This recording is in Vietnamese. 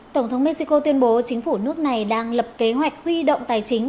tổng thống mexico tuyên bố chính phủ nước này đang lập kế hoạch huy động tài chính